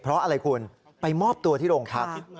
เพราะอะไรคุณไปมอบตัวที่โรงพัก